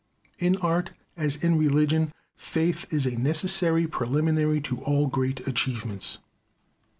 In art as in religion, faith is a necessary preliminary to all great achievements.